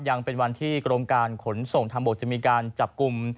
ยังเป็นวันที่กรมการขนส่งทางบกจะมีการจับกลุ่ม